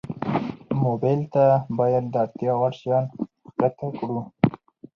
موبایل ته باید د اړتیا وړ شیان ښکته کړو.